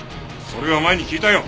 それは前に聞いたよ！